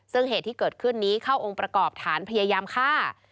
ซึ่งเหตุที่เกิดขึ้นนี้เข้าองค์ประกอบฐานพยายามฆ่า